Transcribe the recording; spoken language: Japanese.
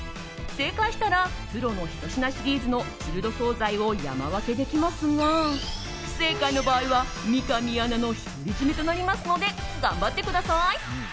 正解したプロのひと品シリーズのチルド総菜を山分けできますが不正解の場合は三上アナの独り占めとなりますので頑張ってください。